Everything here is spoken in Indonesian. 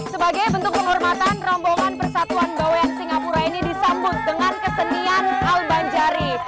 sebagai bentuk penghormatan rombongan persatuan bawean singapura ini disambut dengan kesenian albanjari